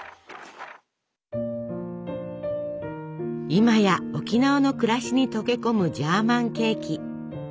今や沖縄の暮らしに溶け込むジャーマンケーキ。